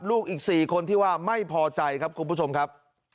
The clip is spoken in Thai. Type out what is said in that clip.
ลูกอีก๔คนที่ว่าไม่พอใจครับคุณผู้ชมครับ